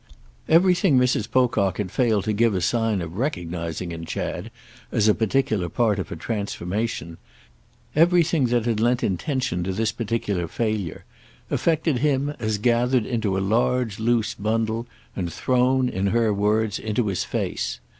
Everything Mrs. Pocock had failed to give a sign of recognising in Chad as a particular part of a transformation—everything that had lent intention to this particular failure—affected him as gathered into a large loose bundle and thrown, in her words, into his face.